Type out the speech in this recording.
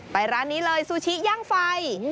ร้านนี้เลยซูชิย่างไฟ